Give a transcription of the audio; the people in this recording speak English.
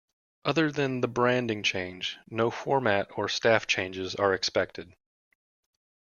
Other than the branding change, no format or staff changes are expected.